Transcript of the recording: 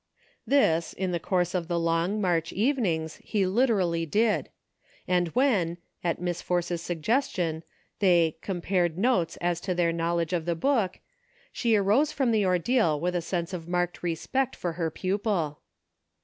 This, in the course of the long March evenings, he literally did ; and when, at Miss Force's sug gestion, they "compared notes " as to their knowl edge of the book, she arose from the ordeal with a sense of marked respect for her pupil.